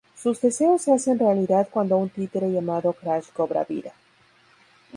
Sus deseos se hacen realidad cuando un títere llamado Crash cobra vida.